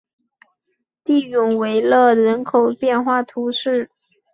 蒂永维勒人口变化图示